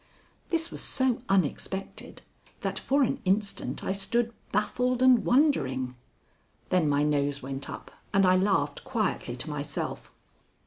This was so unexpected that for an instant I stood baffled and wondering. Then my nose went up, and I laughed quietly to myself.